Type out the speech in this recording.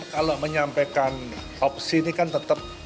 kalau menyampaikan opsi ini kan tetap